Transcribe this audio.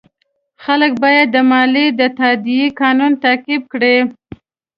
خلک باید د مالیې د تادیې قانون تعقیب کړي.